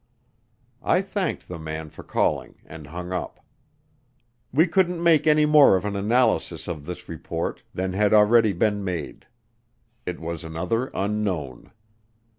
I thanked the man for calling and hung up. We couldn't make any more of an analysis of this report than had already been made, it was another unknown.